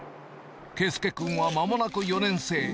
佳祐君はまもなく４年生。